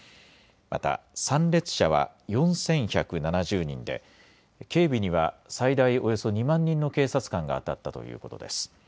また参列者は４１７０人で警備には最大およそ２万人の警察官があたったということです。